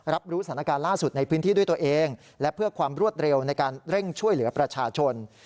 รับรู้สถานการณ์ล่าสุดในพื้นที่ด้วยตัวเองและเพื่อความรวดเร็วในการเร่งช่วยเหลือประชาชน